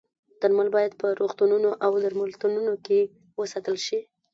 درمل باید په روغتونونو او درملتونونو کې وساتل شي.